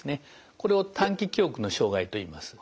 これを短期記憶の障害といいます。